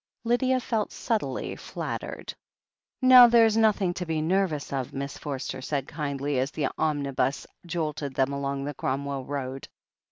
Lydia felt subtly flattered. "Now there's nothing to be nervous of/' Miss For ster said kindly, as the omnibus jolted them along the Cromwell Road.